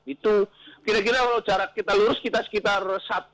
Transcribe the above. itu kira kira kalau jarak kita lurus kita sekitar satu